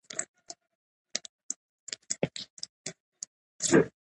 که ښځه کار وکړي، نو مالي ستونزې کمېږي.